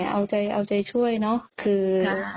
เอาใจช่วยเนาะ